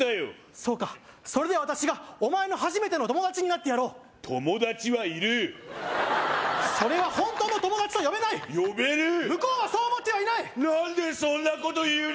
そうかそれでは私がお前の初めての友達になってやろう友達はいるそれは本当の友達と呼べない呼べる向こうはそう思ってはいない何でそんなこと言うの？